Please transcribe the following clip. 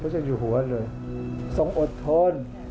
ภาคอีสานแห้งแรง